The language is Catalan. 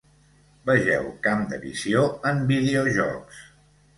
Vegeu Camp de visió en videojocs.